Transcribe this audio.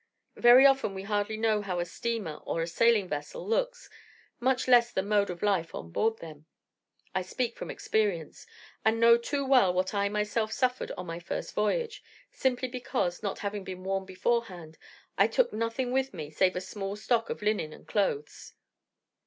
Very often we hardly know how a steamer or a sailing vessel looks, much less the mode of life on board them. I speak from experience, and know too well what I myself suffered on my first voyage, simply because, not having been warned beforehand, I took nothing with me save a small stock of linen and clothes.